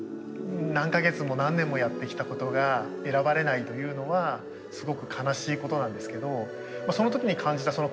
何か月も何年もやってきたことが選ばれないというのはすごく悲しいことなんですけどその時に感じた